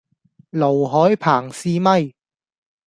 盧海鵬試咪